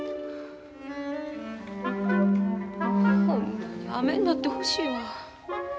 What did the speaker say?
ほんまに雨になってほしいわ。